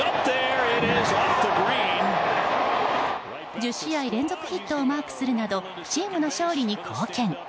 １０試合連続ヒットをマークするなどチームの勝利に貢献。